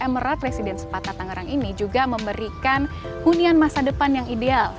mlr residence sepatan tangerang ini juga memberikan hunian masa depan yang ideal